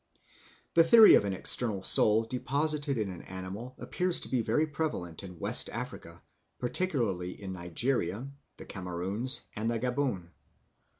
The theory of an external soul deposited in an animal appears to be very prevalent in West Africa, particularly in Nigeria, the Cameroons, and the Gaboon.